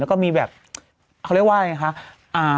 แล้วก็มีแบบเขาเรียกว่าไงคะ